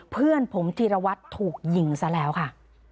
เพื่อนผมจีรวัตรถูกยิงซะแล้วค่ะ